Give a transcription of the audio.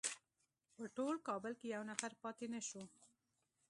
په ټول کابل کې یو نفر پاتې نه شو.